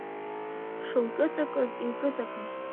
Шылҿыҵакыз илҿыҵакын.